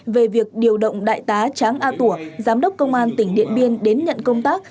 về việc điều động đại tá tráng a tủa giám đốc công an tỉnh điện biên đến nhận công tác